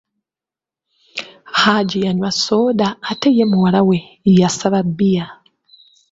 Haji yanywa sooda ate ye omuwala yasaba bbiya.